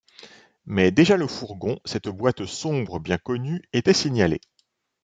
Mais déjà le fourgon, cette boîte sombre bien connue, était signalé.